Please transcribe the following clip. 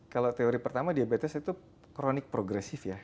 kalau teori pertama diabetes itu kronik progresif ya